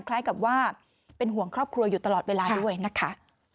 คล้ายกับว่าเป็นห่วงครอบครัวอยู่ตลอดเวลาด้วยนะคะ